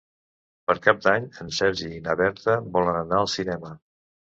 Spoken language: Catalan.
Per Cap d'Any en Sergi i na Berta volen anar al cinema.